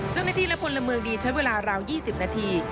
เจ้าหน้าที่และพลเมืองดีใช้เวลาราว๒๐นาที